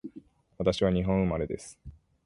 私は日本生まれです